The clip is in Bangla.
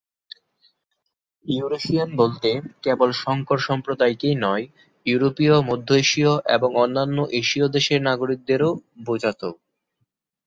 ইউরেশিয়ান বলতে কেবল সংকর সম্প্রদায়কেই নয়, ইউরোপীয়, মধ্যএশীয় এবং অন্যান্য এশীয় দেশের নাগরিকদেরও বোঝাত।